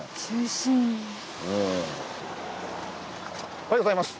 おはようございます。